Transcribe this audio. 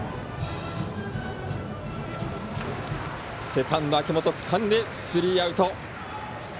セカンド秋元つかんでスリーアウト。